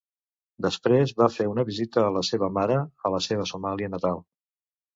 Després va fer una visita a la seva mare a la seva Somàlia natal.